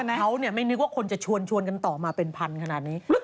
เขาไม่นึกว่าคนจะชวนกันต่อมาเป็นพันขนาดนี้